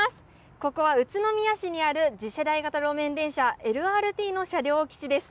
ここは宇都宮市にある次世代型路面電車ＬＲＴの車両基地です。